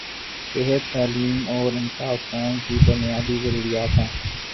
صحت، تعلیم اور انصاف قوم کی بنیادی ضروریات ہیں۔